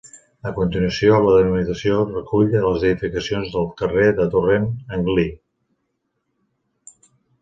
A continuació, la delimitació recull les edificacions del carrer del Torrent Anglí.